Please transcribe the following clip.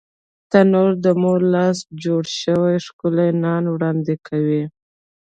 تنور د مور لاس جوړ شوی ښکلی نان وړاندې کوي